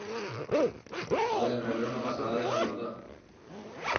Poden rebre un passada de la pilota.